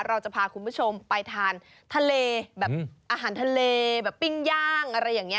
เราจะพาคุณผู้ชมไปทานทะเลแบบอาหารทะเลแบบปิ้งย่างอะไรอย่างนี้